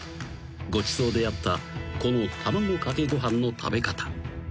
［ごちそうであったこの卵かけご飯の食べ方］